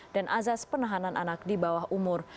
dan azas penahanan anak di bawah umur